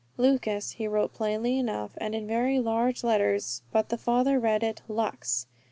"Lucus" he wrote plainly enough, and in very large letters, but the father read it "Lucks."